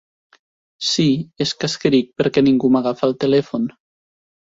Sí, és que escric perquè ningú m'agafa el telèfon.